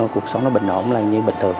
cuộc sống bình ổn như bình thường